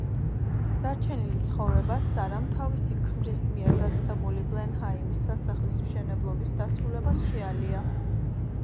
დარჩენილი ცხოვრება სარამ თავისი ქმრის მიერ დაწყებული ბლენჰაიმის სასახლის მშენებლობის დასრულებას შეალია.